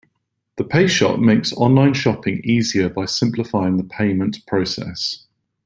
The PayShot makes online shopping easier by simplifying the payment process.